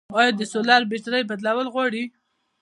آیا د سولر بیترۍ بدلول غواړي؟